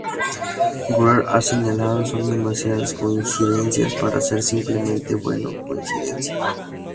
Ware ha señalado: "Son demasiadas coincidencias para ser simplemente, bueno, coincidencias.